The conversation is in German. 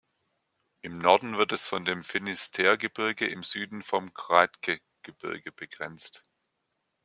Im Norden wird es von dem Finisterre-Gebirge, im Süden vom Kraetke-Gebirge begrenzt.